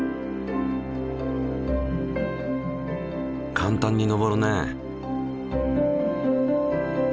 簡単に上るね。